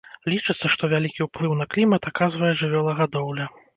Лічыцца, што вялікі ўплыў на клімат аказвае жывёлагадоўля.